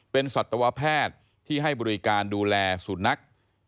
เป็นสัตวแพทย์ที่ให้บริการดูแลสุนัข